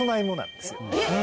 えっ！